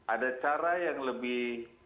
ada cara yang lebih